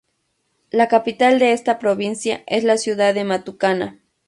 La capital de esta provincia es la ciudad de Matucana.